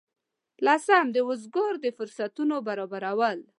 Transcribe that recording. لسم: د روزګار د فرصتونو برابرول.